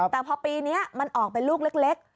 แต่พอปีนี้มันออกเป็นลูกเล็ก